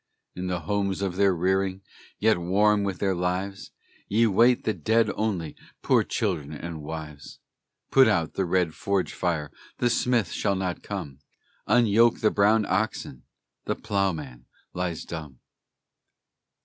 In the homes of their rearing, Yet warm with their lives, Ye wait the dead only, Poor children and wives! Put out the red forge fire, The smith shall not come; Unyoke the brown oxen, The ploughman lies dumb.